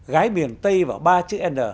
gái miền tây và ba chữ n